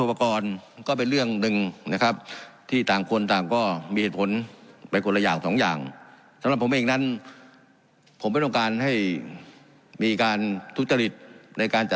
ด้วยเล็กศัลกิจภาพประมาณ๑๒๐๐๐ตัว